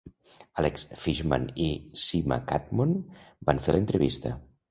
Alex Fishman i Sima Kadmon van fer l'entrevista.